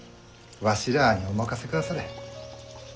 わしらあにお任せくだされ。